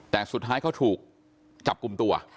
แต่สุดท้ายเขาถูกจับกลุ่มตัว